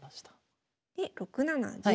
で６七銀。